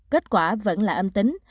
kết quả vẫn là âm tính